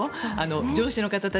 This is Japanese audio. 上司の方たち